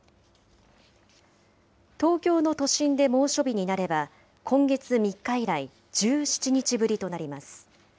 東京の都心で猛暑日になれば、今月３日以来１７日ぶりとなります。